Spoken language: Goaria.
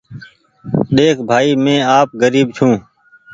ۮيک ڀآئي مينٚ آپ غريب ڇوٚنٚ